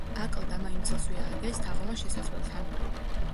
აკლდამა იმ წელსვე ააგეს, თაღოვან შესასვლელთან.